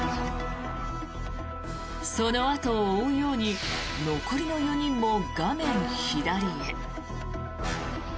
その後を追うように残りの４人も画面左へ。